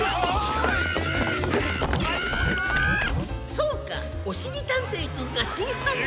そうかおしりたんていくんがしんはんにんを。